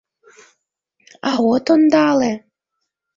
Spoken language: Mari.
А от ондале?